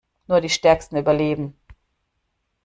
Nur die Stärksten überleben.